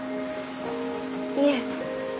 いえ。